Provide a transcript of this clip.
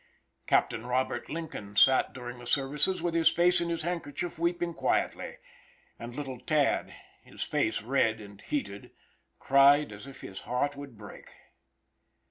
Captain Robert Lincoln sat during the services with his face in his handkerchief weeping quietly, and little Tad his face red and heated, cried as if his heart would break.